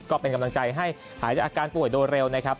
ก็เป็นกำลังใจหาการป่วยโด่เร็วนะครับ